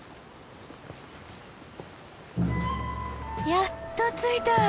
やっと着いたぁ！